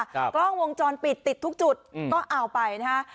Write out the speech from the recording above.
กล้องวงจรปิดติดทุกจุดก็เอาไปนะฮะ